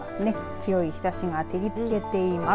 強い日ざしが照りつけています。